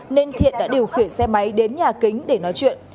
nên thiện đã điều khiển xe máy đến nhà kính để nói chuyện